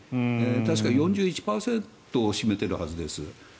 確か４１％を占めているはずです。